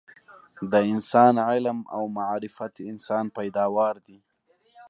د انسان علم او معرفت انسان پیداوار دي